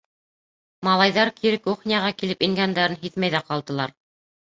Малайҙар кире кухняға килеп ингәндәрен һиҙмәй ҙә ҡалдылар.